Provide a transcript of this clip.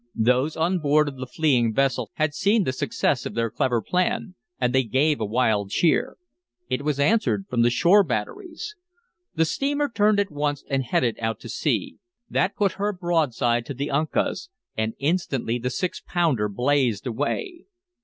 Those on board of the fleeing vessel had seen the success of their clever plan and they gave a wild cheer. It was answered from the shore batteries. The steamer turned at once and headed out to sea; that put her broadside to the Uncas, and instantly the six pounder blazed away.